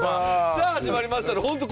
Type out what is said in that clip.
「さあ始まりました」の本当